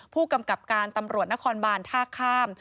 ผู้กำกับการตำรวจนครบานท่าข้าม